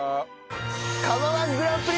釜−１グランプリ！